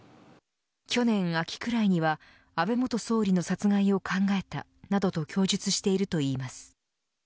去年秋くらいには安倍元総理の殺害を考えたなどと供述しているといいます。